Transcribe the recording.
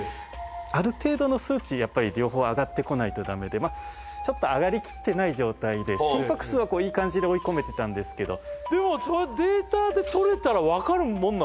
ある程度の数値やっぱり両方上がってこないとダメでまあちょっと上がりきってない状態で心拍数はこういい感じで追い込めてたんですけどではデータで取れたら分かるもんなんですか？